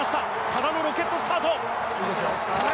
多田のロケットスタート。